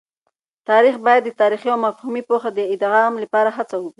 تاسې باید د تاريخي او مفهومي پوهه د ادغام لپاره هڅه وکړئ.